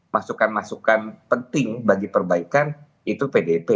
masukan masukan penting bagi perbaikan itu pdip